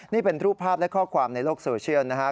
นี่เป็นรูปภาพและข้อความในโลกโซเชียลนะครับ